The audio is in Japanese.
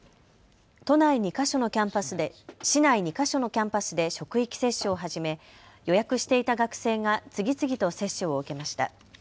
市内２か所のキャンパスで職域接種を始め予約していた学生が次々と接種を受けました。